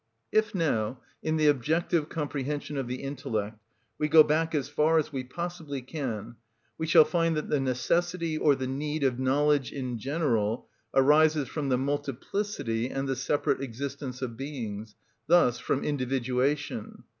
If now, in the objective comprehension of the intellect, we go back as far as we possibly can, we shall find that the necessity or the need of knowledge in general arises from the multiplicity and the separate existence of beings, thus from individuation.